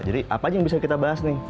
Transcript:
jadi apa aja yang bisa kita bahas nih